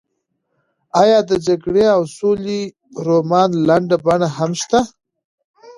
ایا د جګړې او سولې رومان لنډه بڼه هم شته؟